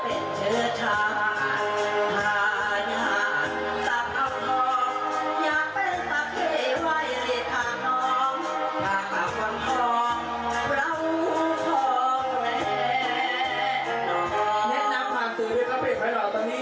แนะนำมาสื่อเวลาเพลงไว้หล่อตอนนี้